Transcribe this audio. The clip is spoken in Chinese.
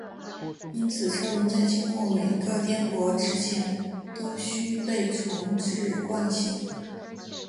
因此车轮在经过每个颠簸之前都须被重置惯性。